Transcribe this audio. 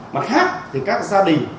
mặt khác thì các gia đình